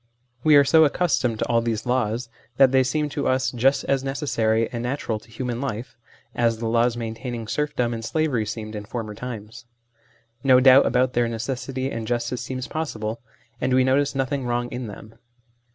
We are so accustomed to all these laws, that they seem to us just as necessary and natural to human life, as the laws maintaining serfdom and slavery seemed in former times ; no doubt about their necessity and justice seems possible, and we notice nothing wrong in them.